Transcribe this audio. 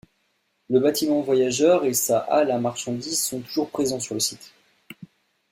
Le bâtiment voyageurs et sa halle à marchandises sont toujours présents sur le site.